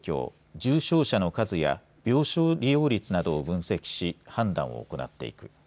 重症者の数や病床利用率などを分析し判断を行っていく。